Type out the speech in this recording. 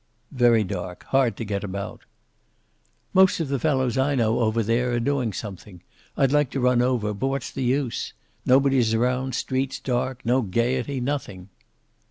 "Very dark. Hard to get about." "Most of the fellows I know over there are doing something. I'd like to run over, but what's the use? Nobody around, street's dark, no gayety, nothing."